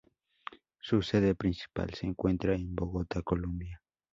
Su sede principal se encuentra en Bogotá, Colombia.